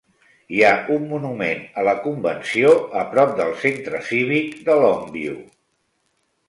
Hi ha un monument a la convenció a prop del Centre Cívic de Longview.